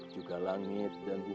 juga langit dan bumi